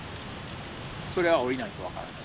それは降りないと分からない。